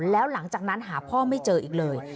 แล้วหลังจากนั้นหาพ่อไม่เจออีกเลย